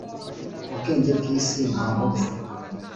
ubwenge bw iyi si ni ubupfu